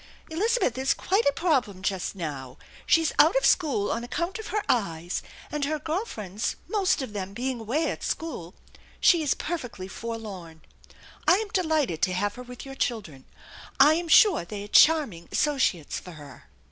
Elizabeth is quite a problem just now. She's out of school on account of her eyes, and her girl friends, most of them, being away at school, she is perfectly forlorn. I am delighted to have her with your children. I am sure they are charming associates for her."